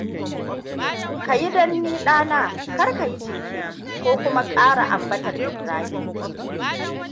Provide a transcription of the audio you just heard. Ka yi don ni ɗana, kar ka yi jinkiri, ko kuma ƙara ambatar Ibrahim.